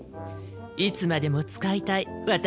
いつまでも使いたい私の宝物。